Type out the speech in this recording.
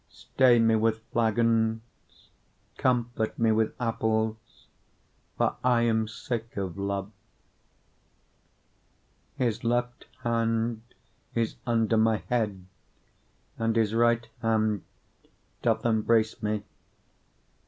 2:5 Stay me with flagons, comfort me with apples: for I am sick of love. 2:6 His left hand is under my head, and his right hand doth embrace me.